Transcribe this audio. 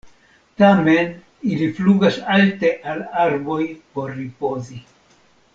Tamen ili flugas alte al arboj por ripozi.